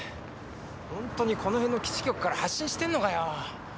ホントにこの辺の基地局から発信してんのかよぉ。